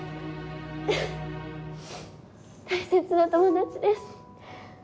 大切な友達です。